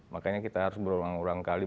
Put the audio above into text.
makanya kita harus berulang ulang kali